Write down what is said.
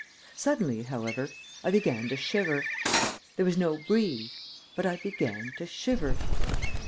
Suddenly, however, I began to shiver. There was no breeze, but I began to shiver.